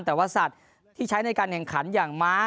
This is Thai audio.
แต่ว่าสัตว์ที่ใช้ในการแข่งขันอย่างม้า